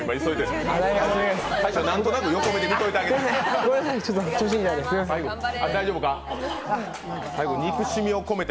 何となく横目で見といてあげて。